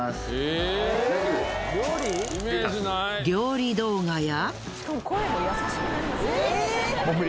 料理動画や。